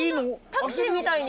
タクシーみたいに。